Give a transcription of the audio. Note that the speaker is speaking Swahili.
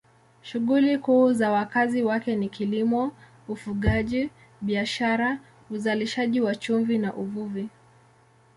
Shughuli kuu za wakazi wake ni kilimo, ufugaji, biashara, uzalishaji wa chumvi na uvuvi.